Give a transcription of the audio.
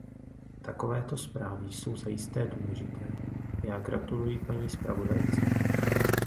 Takovéto zprávy jsou zajisté důležité a já gratuluji paní zpravodajce.